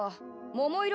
桃色